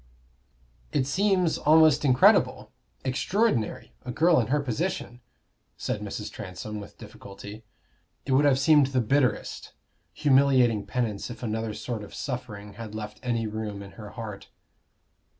"It seems almost incredible extraordinary a girl in her position," said Mrs. Transome, with difficulty. It would have seemed the bitterest, humiliating penance if another sort of suffering had left any room in her heart.